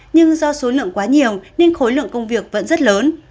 nhưng do số lượng quá nhiều nên khối lượng công việc vẫn rất lớn